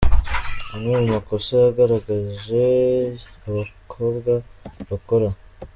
Amwe mu makosa yagaragaje abakobwa bakora.